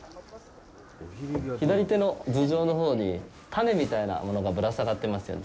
左手の頭上のほうに種みたいなものがぶら下がってますよね。